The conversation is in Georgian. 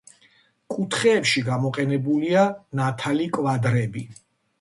კუთხეებში გამოყენებულია ნათალი კვადრები.